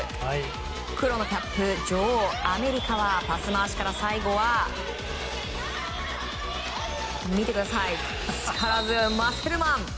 黒のキャップ、女王アメリカはパス回しから最後は力強いマセルマン。